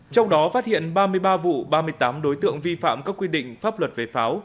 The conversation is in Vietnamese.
trong đó phát hiện ba mươi ba vụ ba mươi tám đối tượng vi phạm các quy định pháp luật về pháo